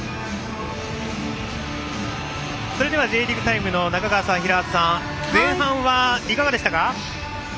それでは、「Ｊリーグタイム」の中川さん、平畠さん前半はいかがでしたか？